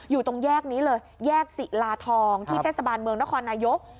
อยู่ตรงแยกนี้เลยแยกศิลาทองที่เทศบาลเมืองนครนายก